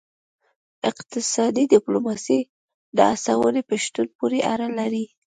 اقتصادي ډیپلوماسي د هڅونې په شتون پورې اړه لري